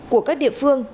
của các địa phương